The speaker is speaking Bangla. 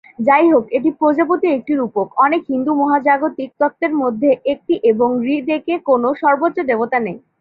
যাইহোক, এই প্রজাপতি একটি রূপক, অনেক হিন্দু মহাজাগতিক তত্ত্বের মধ্যে একটি, এবং ঋগ্বেদে কোন সর্বোচ্চ দেবতা নেই।